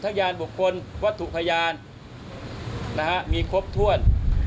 ทักยานบุคคลก็ถูกพยานมีครบถ้วน